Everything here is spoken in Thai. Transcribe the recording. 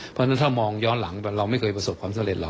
เพราะฉะนั้นถ้ามองย้อนหลังเราไม่เคยประสบความสำเร็จหรอ